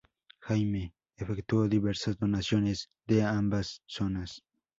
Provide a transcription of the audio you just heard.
Jaime I efectuó diversas donaciones de ambas zonas.